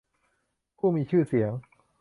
ผู้มีชื่อเสียง